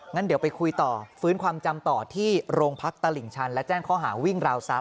งั้นก็ไปคุยต่อฟื้นความจำต่อที่โรงพักตลิ่งชัน